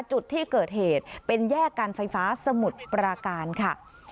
จุดที่เกิดเหตุเป็นแยกการไฟฟ้าสมุทรปราการค่ะ